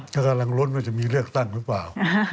ก็กำลังลุ้นว่าจะมีเลือกตั้งหรือเปล่า